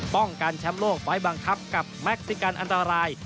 ป้องกันแชมป์โลกไฟล์บังคับกับแม็กซิกันอันตราย